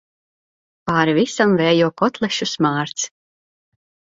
Pāri visam vējo kotlešu smārds.